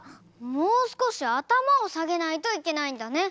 もうすこしあたまをさげないといけないんだね！